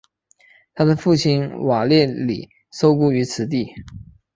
他的父亲瓦列里受雇于此地。